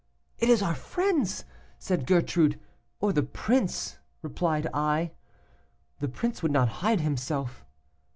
"It is our friends,' said Gertrude. 'Or the prince,' replied I. 'The prince would not hide himself.